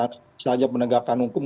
misalnya penegakan hukum